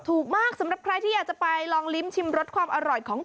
ถูกมากสำหรับใครที่อยากจะไปลองลิ้มชิมรสความอร่อยของ